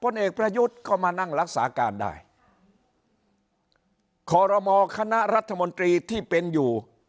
เอกประยุทธ์ก็มานั่งรักษาการได้คอรมอคณะรัฐมนตรีที่เป็นอยู่